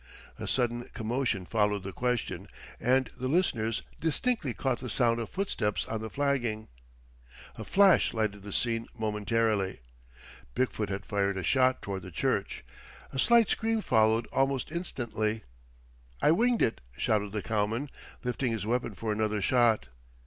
A sudden commotion followed the question, and the listeners distinctly caught the sound of footsteps on the flagging. A flash lighted the scene momentarily. Big foot had fired a shot toward the church. A slight scream followed almost instantly. "I winged it!" shouted the cowman, lifting his weapon for another shot.